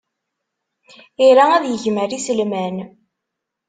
Ira ad yegmer iselman.